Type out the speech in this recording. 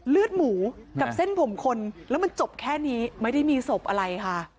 เลือดหมูกับเส้นผมคนแล้วมันจบแค่นี้ไม่ได้มีศพอะไรค่ะ